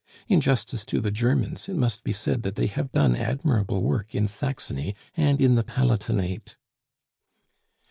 In justice to the Germans, it must be said that they have done admirable work in Saxony and in the Palatinate."